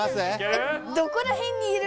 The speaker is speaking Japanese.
えっどこらへんにいる？